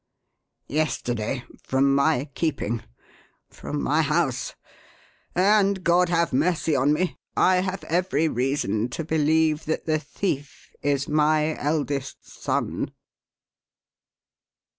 "Yesterday from my keeping! From my house! And God have mercy on me, I have every reason to believe that the thief is my eldest son!"